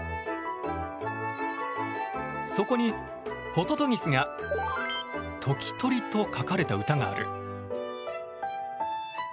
そこにホトトギスが「時鳥」と書かれた歌がある。